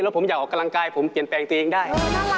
ผมอยากออกกำลังกายผมเปลี่ยนแปลงตัวเองได้